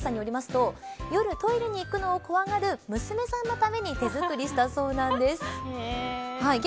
作ったｌａｎｉｕｓさんによりますと、夜トイレに行くのを怖がる娘さんのために手作りしたそうなんです。